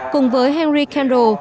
cùng với henry kendall